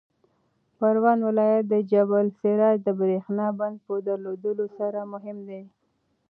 پروان ولایت د جبل السراج د برېښنا بند په درلودلو سره مهم دی.